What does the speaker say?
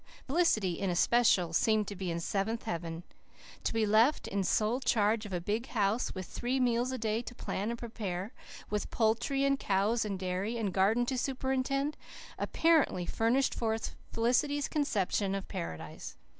Felicity, in especial, seemed to be in seventh heaven. To be left in sole charge of a big house, with three meals a day to plan and prepare, with poultry and cows and dairy and garden to superintend, apparently furnished forth Felicity's conception of Paradise.